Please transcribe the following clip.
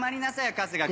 春日君。